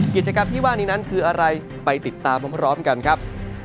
กิจกรรมที่ว่านี้นั้นคืออะไรไปติดตามพร้อมกันครับ